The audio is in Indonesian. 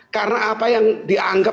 karena apa yang dianggap